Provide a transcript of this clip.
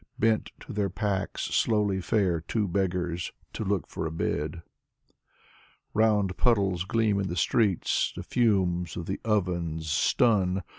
Bent to their packs, slowly fare Two beggars to look for a bed. Round puddles gleam in the streets. The fumes of the ovens stun.